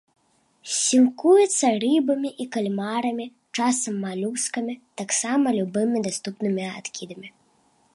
Сілкуецца рыбамі і кальмарамі, часам малюскамі, таксама любымі даступнымі адкідамі.